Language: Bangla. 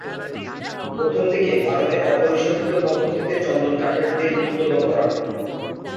প্রথমদিকে ভারতে অপরিশোধিত পদ্ধতিতে চন্দন কাঠের তেল উত্তোলন করা হত।